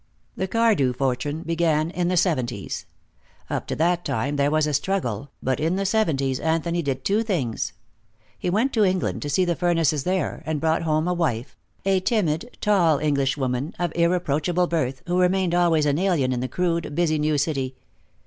The Cardew fortune began in the seventies. Up to that time there was a struggle, but in the seventies Anthony did two things. He went to England to see the furnaces there, and brought home a wife, a timid, tall Englishwoman of irreproachable birth, who remained always an alien in the crude, busy new city.